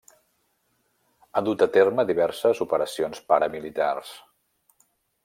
Ha dut a terme diverses operacions paramilitars.